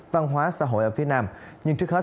văn hóa xã hội ở phía nam nhưng trước hết